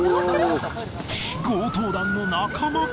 強盗団の仲間か！？